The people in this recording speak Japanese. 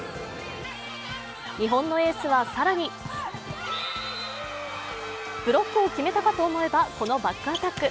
日本のエースは更にブロックを決めたかと思えば、このバックアタック。